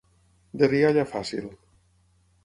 De rialla fàcil.